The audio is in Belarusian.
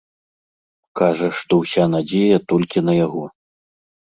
Кажа, што ўся надзея толькі на яго.